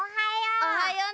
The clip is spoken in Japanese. おはよう。